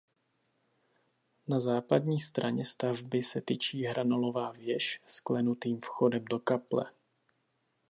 Na západní straně stavby se tyčí hranolová věž s klenutým vchodem do kaple.